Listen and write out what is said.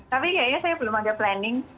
tapi kayaknya saya belum ada planning